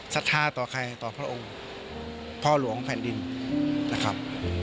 ศรัทธาต่อใครต่อพระองค์พ่อหลวงแผ่นดินนะครับ